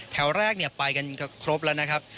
แถวแรกไปกันครบแล้วนะครับ